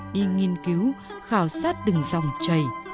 đi nghiên cứu khảo sát từng dòng chày